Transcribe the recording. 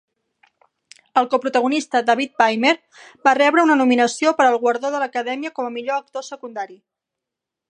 El coprotagonista David Paymer va rebre una nominació per al guardó de l'Acadèmia com a millor actor secundari.